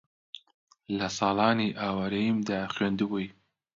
لە ساڵانی ئاوارەییمدا خوێندبووی